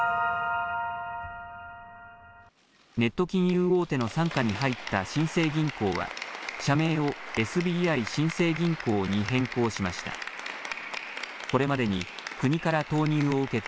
ネット金融大手の傘下に入った新生銀行は社名をＳＢＩ新生銀行に変更しました。